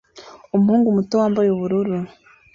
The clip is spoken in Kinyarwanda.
Umuhungu muto wambaye ubururu